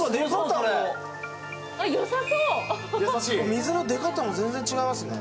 水の出方も全然違いますね。